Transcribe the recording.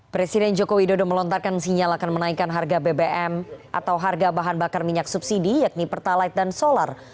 presiden joko widodo melontarkan sinyal akan menaikkan harga bbm atau harga bahan bakar minyak subsidi yakni pertalite dan solar